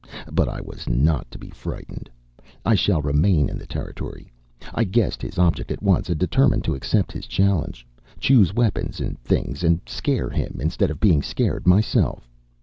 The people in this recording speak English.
But I was not to be frightened; I shall remain in the Territory. I guessed his object at once, and determined to accept his challenge, choose weapons and things, and scare him, instead of being scared myself.